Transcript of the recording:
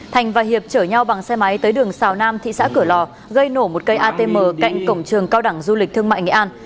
thành và hiệp chở nhau bằng xe máy tới đường xào nam thị xã cửa lò gây nổ một cây atm cạnh cổng trường cao đẳng du lịch thương mại nghệ an